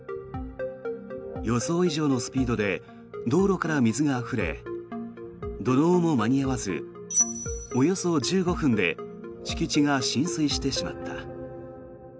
予想以上のスピードで道路から水があふれ土のうも間に合わずおよそ１５分で敷地が浸水してしまった。